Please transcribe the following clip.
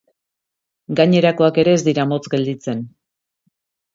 Gainerakoak ere ez dira motz gelditzen.